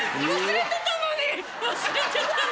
忘れてたのに！